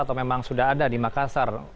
atau memang sudah ada di makassar